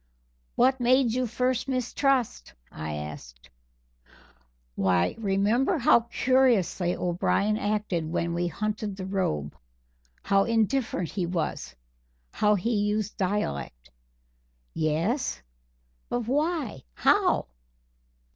"What made you first mistrust?" I asked. "Why, remember how curiously O'Brien acted when we hunted the robe how indifferent he was how he used dialect!" "Yes, but why how?"